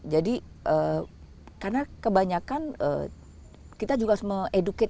jadi karena kebanyakan kita juga educate travel travel kita pak